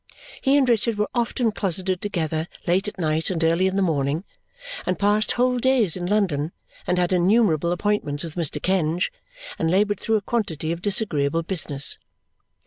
He and Richard were often closeted together, late at night and early in the morning, and passed whole days in London, and had innumerable appointments with Mr. Kenge, and laboured through a quantity of disagreeable business.